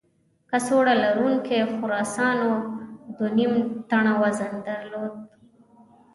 کڅوړه لرونکو خرسانو دوه نیم ټنه وزن درلود.